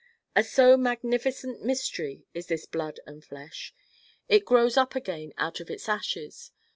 A so magnificent mystery is this blood and flesh. It grows up again out of its ashes.